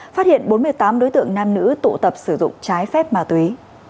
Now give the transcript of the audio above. phát hiện bốn mươi tám đối tượng nam nữ tụ tập sử dụng trái phép ma túy